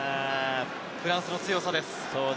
フランスの強さです。